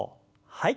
はい。